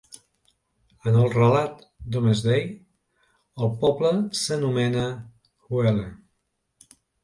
En el relat "Domesday", el poble s'anomena "Hwelle".